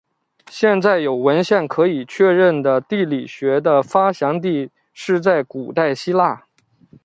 现在有文献可确认的地理学的发祥地是在古代希腊。